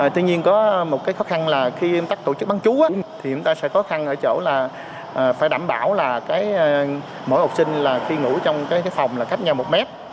tuy nhiên có một khó khăn là khi em tắt tổ chức bán trú thì em ta sẽ có khó khăn ở chỗ là phải đảm bảo mỗi học sinh khi ngủ trong phòng là cách nhau một mét